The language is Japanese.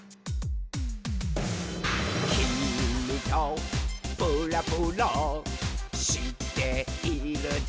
「きみとぶらぶらしていると」